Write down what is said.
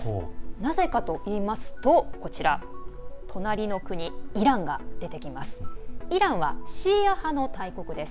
なぜかといいますと隣の国イランが出てきます。